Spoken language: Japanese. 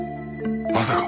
まさか。